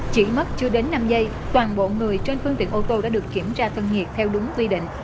chỉ mất chưa đến năm giây toàn bộ người trên phương tiện ô tô đã được kiểm tra thân nhiệt theo đúng quy định